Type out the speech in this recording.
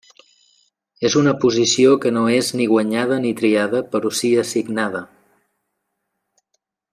És una posició que no és ni guanyada ni triada però sí assignada.